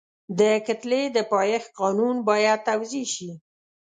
د کتلې د پایښت قانون باید توضیح شي.